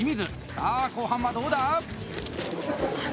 さあ、後半はどうだ？